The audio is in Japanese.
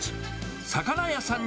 魚屋さん